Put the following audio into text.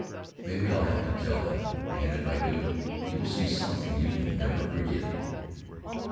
Maybe I'll have to tell him, and if I do, you'll see something you can never forget."